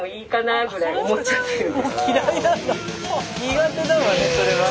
苦手だわねそれは。